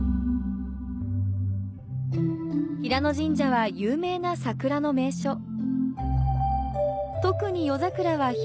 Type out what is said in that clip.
平野神社は有名な桜の名所。